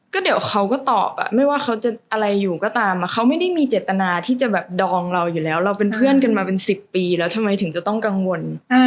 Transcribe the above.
ก็เดี๋ยวเขาก็ตอบไม่ว่าเขาจะอะไรอยู่ก็ตามเขาไม่ได้มีเจตนาที่จะแบบดองเราอยู่แล้วเราเป็นเพื่อนกันมาเป็น๑๐ปีแล้วทำไมถึงจะต้องกังวล